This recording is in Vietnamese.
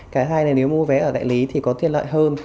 cái hai là nếu mua vé ở đại lý thì có thiên lợi hơn